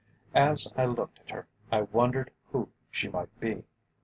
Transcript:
As I looked at her I wondered who she might be.